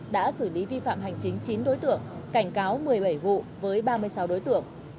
đã xử lý vi phạm hành chính chín đối tượng cảnh cáo một mươi bảy vụ với ba mươi sáu đối tượng